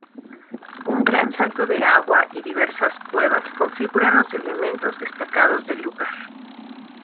Un gran salto de agua y diversas cuevas configuran los elementos destacados del lugar.